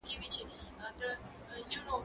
ته ولي مړۍ پخوې